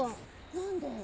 何で？